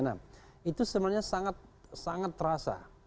nah itu sebenarnya sangat terasa